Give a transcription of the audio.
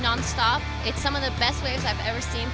ini adalah satu dari waves terbaik yang pernah saya lihat untuk pertandingan